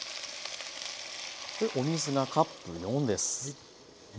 お水がカップ４です。